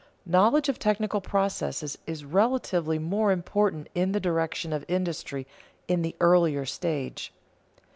Knowledge of technical processes is relatively more important in the direction of industry in the earlier stage.